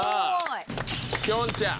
きょんちゃん。